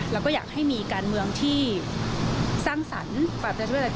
เราก็อยากให้มีการเมืองที่สร้างสรรค์